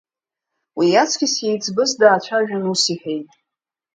Уи иаҵкьыс иеиҵбыз даацәажәан ус иҳәеит…